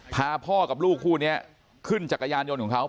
พาพ่อกับลูกคู่นี้ขึ้นจักรยานยนต์ของเขา